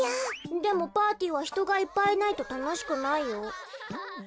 でもパーティーはひとがいっぱいいないとたのしくないよ。